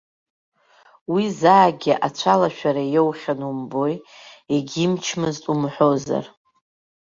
Уи заагьы ацәалашәара иоухьан умбои, егьимчмызт умҳәозар.